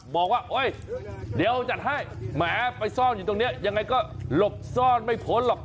บอกว่าโอ๊ยเดี๋ยวจัดให้แหมไปซ่อนอยู่ตรงนี้ยังไงก็หลบซ่อนไม่พ้นหรอก